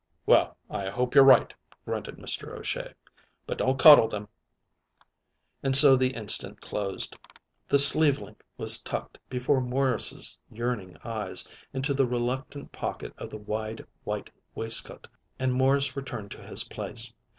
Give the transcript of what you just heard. "Well, I hope you're right," grunted Mr. O'Shea, "but don't coddle them." And so the incident closed. The sleeve link was tucked, before Morris's yearning eyes, into the reluctant pocket of the wide white waistcoat, and Morris returned to his place.